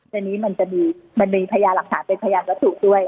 ทีนี้มันจะมีมันมีพยาหลักฐานเป็นพยานวัตถุด้วย